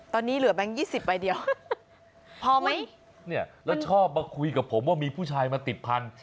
ตอนนี้เหลือแบงค์๒๐ใบเดียวพอไหมเนี่ยแล้วชอบมาคุยกับผมว่ามีผู้ชายมาติดพันธ